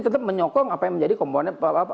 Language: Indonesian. tetap menyokong apa yang menjadi komponen